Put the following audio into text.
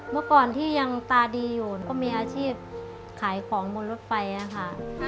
เมื่อก่อนที่ยังตาดีอยู่ก็มีอาชีพขายของบนรถไฟนะคะ